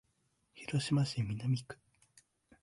広島市南区